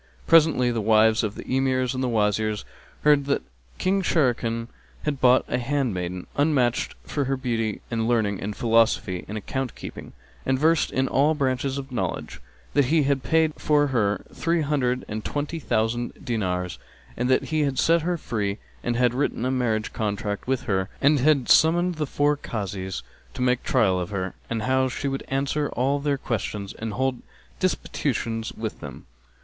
Presently the wives of the Emirs and Wazirs heard that King Sharrkan had bought a handmaiden unmatched for her beauty and learning and philosophy and account keeping, and versed in all branches of knowledge, that he had paid for her three hundred and twenty thousand dinars, and that he had set her free and had written a marriage contract with her and had summoned the four Kazis to make trial of her, how she would answer all their questions and hold disputetion with them.